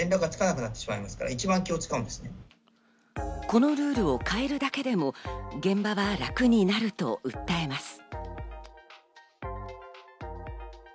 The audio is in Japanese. このルールを変えるだけでも現場は楽になると訴えます。